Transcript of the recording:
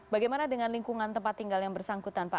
bagaimana dengan lingkungan tempat tinggal yang bersangkutan pak